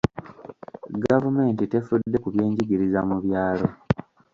Gavumenti tefudde ku byenjigiriza mu byalo.